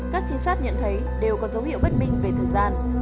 các trinh sát nhận thấy đều có dấu hiệu bất minh về thời gian